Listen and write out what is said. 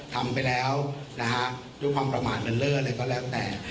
ทำไปแล้วนะฮะด้วยความประมาทเลินเล่ออะไรก็แล้วแต่